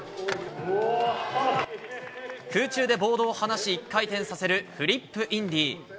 空中でボードを離し回転させるフリップインディ。